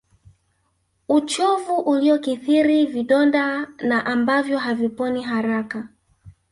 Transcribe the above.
uchovu uliokithiri vidonda na ambavyo haviponi haraka